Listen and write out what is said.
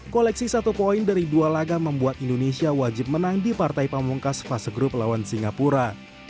koleksi satu poin dari dua laga membuat indonesia wajib menang di partai pamungkas fase grup lawan singapura